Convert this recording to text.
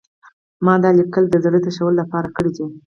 ما دا لیکل د زړه تشولو لپاره کړي دي